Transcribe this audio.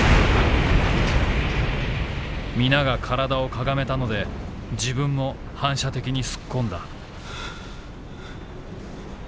「皆が躯を屈めたので自分も反射的にすっ込んだ」。